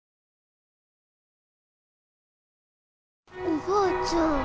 おばあちゃん。